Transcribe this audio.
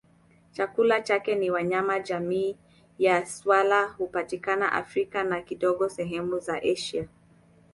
Chakula chake ni wanyama jamii ya swala hupatikana Afrika na kidogo sehemu za Asia.